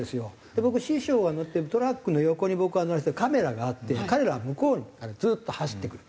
で僕師匠が乗ってるトラックの横に僕はカメラがあって彼らは向こうからずっと走ってくる。